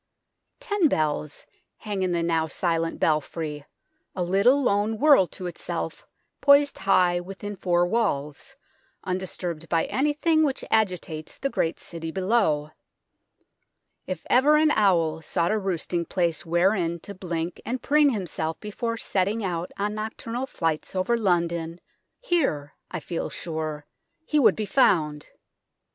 Ten bells hang in the now silent belfry, a little lone world to itself poised high within four walls, undisturbed by anything which agitates the great city below. If ever an owl sought a roosting place wherein to blink and preen himself before setting out on nocturnal flights over London, here, I feel sure, he would be found.